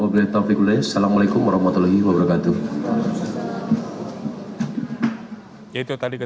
baik terima kasih